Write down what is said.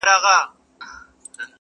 خپلو هغو افغانانو ته د هدایت دعا کوم -